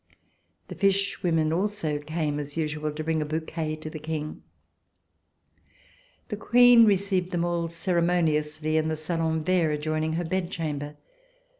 The fish women also came as usual to bring a bouquet to the King. The Queen received them all ceremoniously in the salon vert, adjoining her bed chamber.